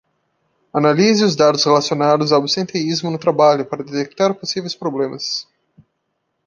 Analise os dados relacionados ao absenteísmo no trabalho para detectar possíveis problemas.